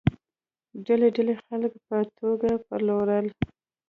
ډلې ډلې خلک یې په توګه پلورل.